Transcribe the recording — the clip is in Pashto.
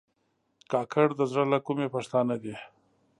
کاکړ د زړه له کومي پښتانه دي.